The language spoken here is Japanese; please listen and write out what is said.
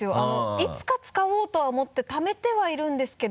いつか使おうとは思ってためてはいるんですけど。